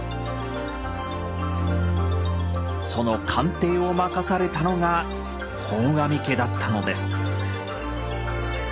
その鑑定を任されたのが本阿弥家だったのです。